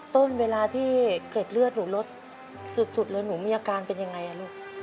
เวลาที่เกร็ดเลือดหนูลดสุดแล้วหนูมีอาการเป็นยังไงลูก